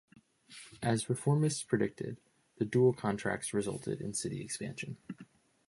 As reformists predicted the Dual Contracts resulted in city expansion.